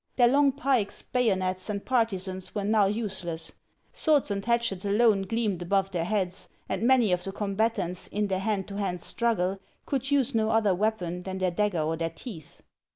Their long pikes, bayonets, and partisans were now useless ; swords and hatchets alone gleamed above their heads, and many of the combatants, in their hand to hand struggle, could use no other weapon than their dagger or their teeth.